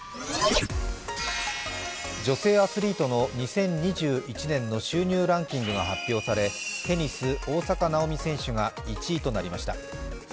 女性アスリートの２０２１年の収入ランキングが発表されテニス、大坂なおみ選手が１位となりました。